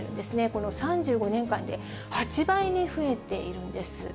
この３５年間で８倍に増えているんです。